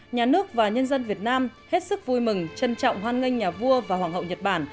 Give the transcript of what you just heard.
nhà nước và nhân dân việt nam hết sức vui mừng trân trọng hoan nghênh nhà vua và hoàng hậu nhật bản